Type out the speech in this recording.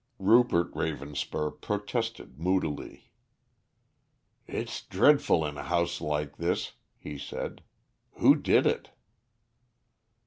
Rupert Ravenspur protested moodily. "It's dreadful in a house like this," he said. "Who did it?"